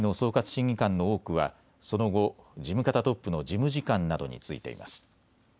審議官の多くはその後、事務方トップの事務次官などに就いています。